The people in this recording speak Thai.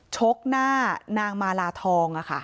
ชกหน้านางมาลาทองอ่ะค่ะ